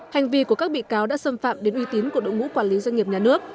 hành vi của các bị cáo đã xâm phạm đến uy tín của đội ngũ quản lý doanh nghiệp nhà nước